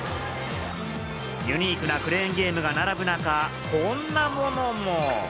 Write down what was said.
ユニークなクレーンゲームが並ぶ中、こんなものも。